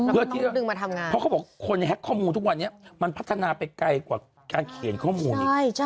เพราะเขาบอกคนแฮกข้อมูลทุกวันนี้มันพัฒนาไปไกลกว่าการเขียนข้อมูล